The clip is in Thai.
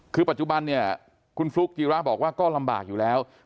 คือปัจจุบันเนี่ยคุณฟลุ๊กจีระบอกว่าก็ลำบากอยู่แล้ว